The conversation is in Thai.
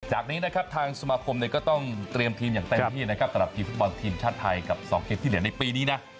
จากนี้นะครับทางสมาคมก็ต้องเตรียมทีมอย่างเต็มที่นะครับสำหรับทีมฟุตบอลทีมชาติไทยกับ๒เกมที่เหลือในปีนี้นะ